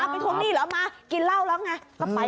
ไปทวงหนี้เหรอมากินเล่าหรอกไง